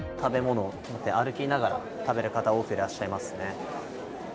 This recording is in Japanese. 食べ物を持って食べながら歩いてる方が多くいらっしゃいますね。